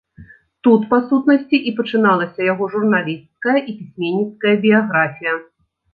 Тут, па сутнасці, і пачыналася яго журналісцкая і пісьменніцкая біяграфія.